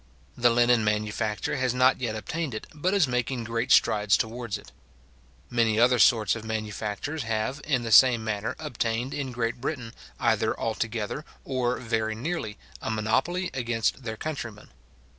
The linen manufacture has not yet obtained it, but is making great strides towards it. Many other sorts of manufactures have, in the same manner obtained in Great Britain, either altogether, or very nearly, a monopoly against their countrymen.